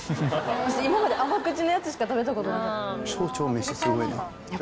私今まで甘口のやつしか食べたことがない。